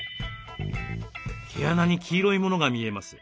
毛穴に黄色いものが見えます。